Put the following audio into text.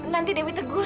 nanti dewi tegur